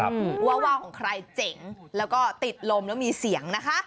อืมว่าว่าวของใครเจ๋งแล้วก็ติดลมแล้วมีเสียงนะคะ